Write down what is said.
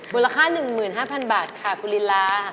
มูลค่า๑๕๐๐๐บาทค่ะคุณลินลา